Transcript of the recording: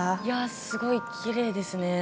すごいきれいですね。